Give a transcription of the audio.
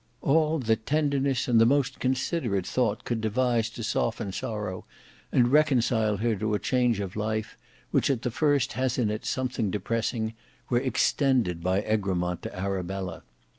All that tenderness and the most considerate thought could devise to soften sorrow and reconcile her to a change of life which at the first has in it something depressing were extended by Egremont to Arabella.